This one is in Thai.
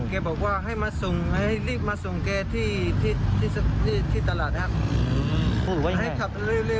แกบอกว่าให้รีบมาส่งแกที่ตลาดครับ